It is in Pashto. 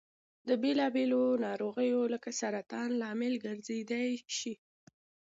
د بېلا بېلو نارغیو لکه سرطان لامل ګرځيدای شي.